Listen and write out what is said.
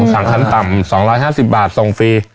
สั่งขั้นต่ำ๒๕๐บาทส่งฟรี